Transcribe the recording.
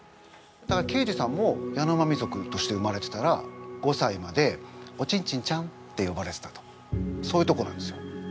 だからけいじさんもヤノマミ族として生まれてたら５さいまで「おちんちんちゃん」ってよばれてたとそういうとこなんですよ。